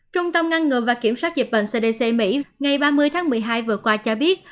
trung tâm ngăn ngừa và kiểm soát dịch bệnh cdc mỹ ngày ba mươi tháng một mươi hai vừa qua cho biết